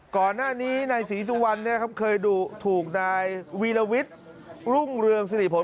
ก่อนหน้านี้นายศรีสุวรรณเคยดุถูกนายวีรวิทย์รุ่งเรืองสิริผล